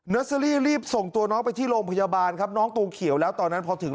เซอรี่รีบส่งตัวน้องไปที่โรงพยาบาลครับน้องตัวเขียวแล้วตอนนั้นพอถึง